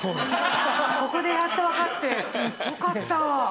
ここでやっとわかってよかった。